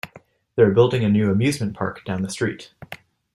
They're building a new amusement park down the street.